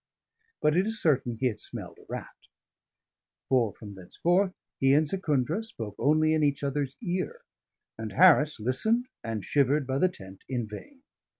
But it is certain he had smelled a rat; for from thenceforth he and Secundra spoke only in each other's ear, and Harris listened and shivered by the tent in vain.